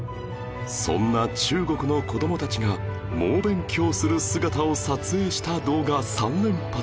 そんな中国の子どもたちが猛勉強する姿を撮影した動画３連発